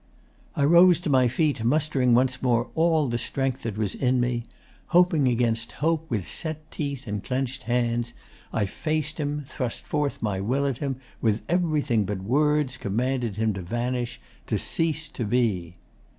'I rose to my feet, mustering once more all the strength that was in me. Hoping against hope, with set teeth and clenched hands, I faced him, thrust forth my will at him, with everything but words commanded him to vanish to cease to be.